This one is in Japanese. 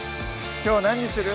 きょう何にする？